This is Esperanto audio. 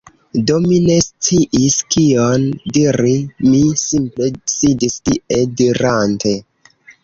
Do mi ne sciis kion diri, mi simple sidis tie, dirante "..."